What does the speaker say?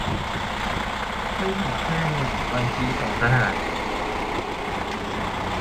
เพิ่งเกิดขึ้นหลังวันชี้สองสถาน